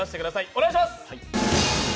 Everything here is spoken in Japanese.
お願いします。